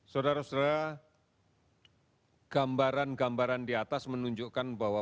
saudara saudara gambaran gambaran di atas menunjukkan bahwa